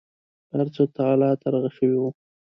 هرڅه تالا ترغه شوي و.